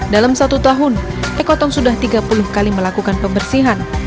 dalam satu tahun ekoton sudah tiga puluh kali melakukan pembersihan